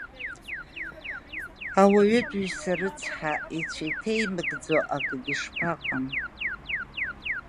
Ауаҩытәыҩса рыцҳа ицәа иҭеимыгӡо акгьы шԥаҟам!